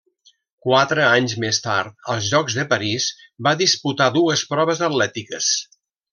Quatre anys més tard, als Jocs de París, va disputar dues proves atlètiques.